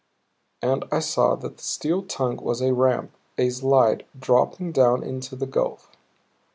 And I saw that the steel tongue was a ramp, a slide, dropping down into the gulf.